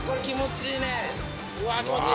うわ気持ちいい。